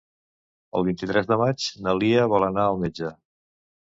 El vint-i-tres de maig na Lia vol anar al metge.